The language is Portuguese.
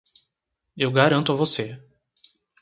Eu garanto a você.